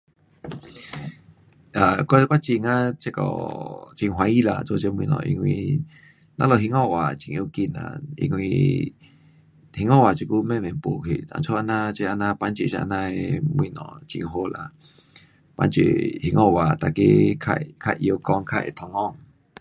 um 我真很这个开心做这个东西，因为我们兴华话很要紧哪，因为兴华话现在慢慢没去，所以这这样帮助这样的东西，很好啦。